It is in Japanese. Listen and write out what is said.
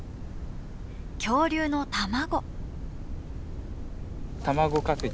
恐竜の卵。